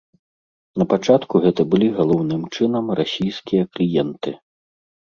Напачатку гэта былі галоўным чынам расійскія кліенты.